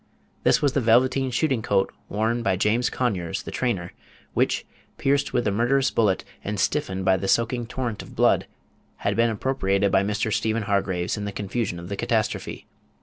This was the velveteen shooting coat worn by James Conyers, the trainer, which, pierced with the murderous bullet, and stiffened by the soaking torrent of Page 187 blood, had been appropriated by Mr. Stephen Hargraves in the confusion of the catastrophe.